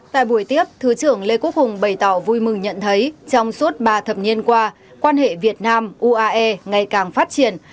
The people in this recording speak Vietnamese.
tại buổi tiếp thứ trưởng lê quốc hùng bày tỏ vui mừng nhận thấy trong suốt ba thập niên qua quan hệ việt nam uae ngày càng phát triển